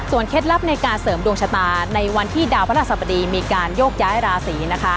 เคล็ดลับในการเสริมดวงชะตาในวันที่ดาวพระราชสบดีมีการโยกย้ายราศีนะคะ